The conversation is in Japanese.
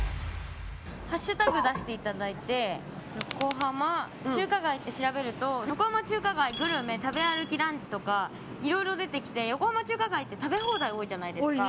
ハッシュタグを出していただいて横浜中華街って調べると横浜中華街のグルメ食べ歩き、ランチとかいろいろ出てきて横浜中華街って食べ放題多いじゃないですか。